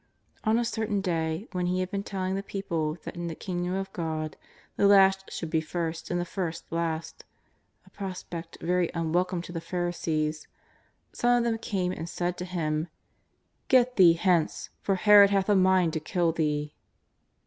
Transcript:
On a certain day, when He had been telling the people that in the Kingdom of God the last should be first and the first last — a prospect very unwelcome to the Pharisees — some of these came and said to Him :" Get Thee hence, for Herod hath a mind to kill Thee.''